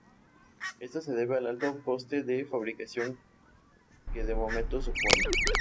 Esto se debe al alto coste de fabricación que de momento supone.